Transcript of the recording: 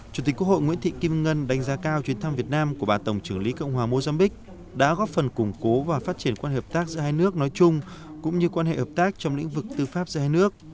chủ tịch quốc hội nguyễn thị kim ngân đánh giá cao chuyến thăm việt nam của bà tổng trưởng lý cộng hòa mozambique đã góp phần củng cố và phát triển quan hệ hợp tác giữa hai nước nói chung cũng như quan hệ hợp tác trong lĩnh vực tư pháp giữa hai nước